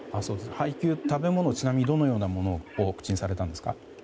配給、食べ物はどのようなものを口にされたんですか？